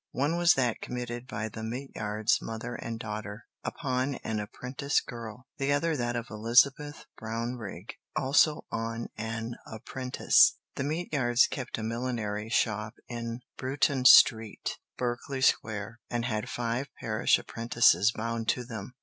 One was that committed by the Meteyards, mother and daughter, upon an apprentice girl; the other that of Elizabeth Brownrigg, also on an apprentice. The Meteyards kept a millinery shop in Bruton Street, Berkeley Square, and had five parish apprentices bound to them.